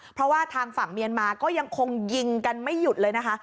เพราะว่าทางฝั่งเมียนมาก็ยังคงยิงกันไม่หยุดเลยนะคะ